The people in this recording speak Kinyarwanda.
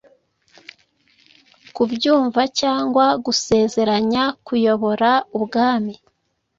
Kubyumvacyangwa gusezeranya kuyobora ubwami